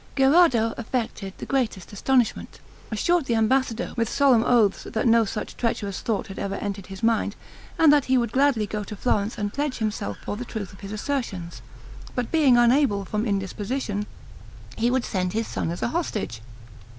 Gherardo affected the greatest astonishment, assured the ambassador with solemn oaths that no such treacherous thought had ever entered his mind, and that he would gladly go to Florence and pledge himself for the truth of his assertions; but being unable, from indisposition, he would send his son as an hostage.